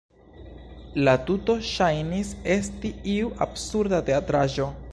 La tuto ŝajnis esti iu absurda teatraĵo.